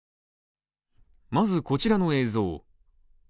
まずこちらの映像。